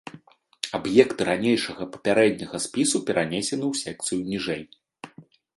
Аб'екты ранейшага папярэдняга спісу перанесены ў секцыю ніжэй.